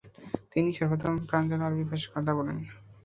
তিনিই সর্বপ্রথম প্রাঞ্জল আরবী ভাষায় কথা বলেন।